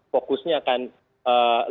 fokusnya akan lebih ke arah